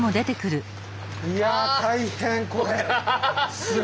いやあ大変これ！